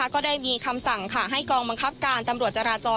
ก็ได้มีคำสั่งให้กลองมังคับการธรรมดรจร